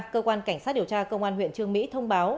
cơ quan cảnh sát điều tra công an huyện trương mỹ thông báo